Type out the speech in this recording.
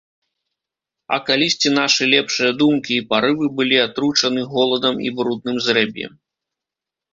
А калісьці нашы лепшыя думкі і парывы былі атручаны голадам і брудным зрэб'ем.